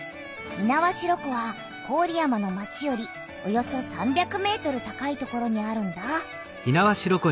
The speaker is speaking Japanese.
猪苗代湖は郡山の町よりおよそ３００ｍ高い所にあるんだ。